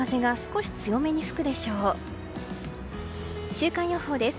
週間予報です。